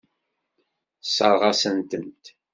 Tessṛeɣ-asen-tent.